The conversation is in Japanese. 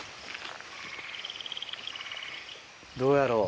どうやろう？